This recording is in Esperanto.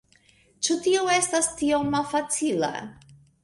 Ĉu tio estas tiom malfacila?